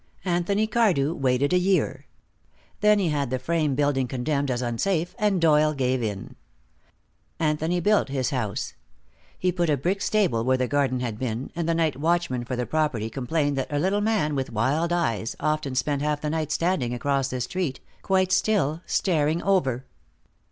Anthony Cardew waited a year. Then he had the frame building condemned as unsafe, and Doyle gave in. Anthony built his house. He put a brick stable where the garden had been, and the night watchman for the property complained that a little man, with wild eyes, often spent half the night standing across the street, quite still, staring over.